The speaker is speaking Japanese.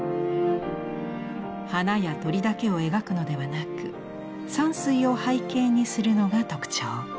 花や鳥だけを描くのではなく山水を背景にするのが特徴。